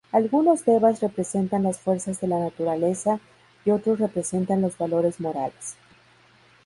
Algunos devas representan las fuerzas de la naturaleza y otros representan los valores morales.